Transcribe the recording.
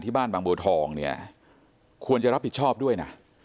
ที่บ้านบางบัวทองควรจะรับผิดชอบด้วยนะ